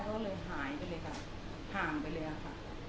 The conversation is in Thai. ก็เลยหายไปเลยค่ะห่างไปเลยค่ะ